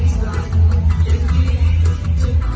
สวัสดีครับ